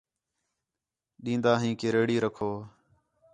ݙین٘دا ہیں کہ ریڑھی رکھو